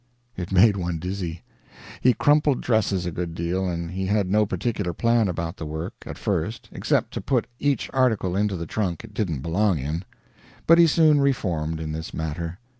It made one dizzy. He crumpled dresses a good deal, and he had no particular plan about the work at first except to put each article into the trunk it didn't belong in. But he soon reformed, in this matter.